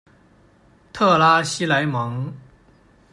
特拉西莱蒙。